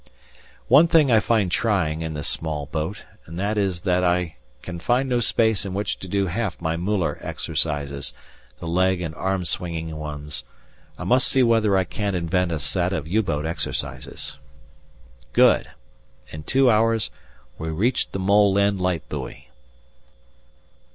One thing I find trying in this small boat, and that is that I can find no space in which to do half my Müller exercises, the leg and arm swinging ones. I must see whether I can't invent a set of U boat exercises! Good! in two hours we reach the Mole end light buoy.